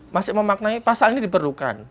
masih memaknai pasal ini diperlukan